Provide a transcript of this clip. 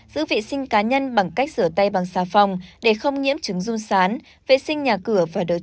giữ vệ sinh cá nhân bằng cách sửa tay bằng xà phòng để không nhiễm trứng dung sán vệ sinh nhà cửa và đồ chơi của trẻ